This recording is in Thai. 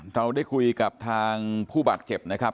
เราได้คุยกับทางผู้บาดเจ็บนะครับ